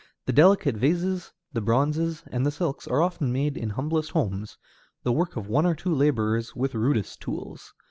The delicate vases, the bronzes, and the silks are often made in humblest homes, the work of one or two laborers with rudest tools.